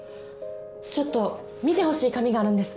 ちょっと見てほしい紙があるんです。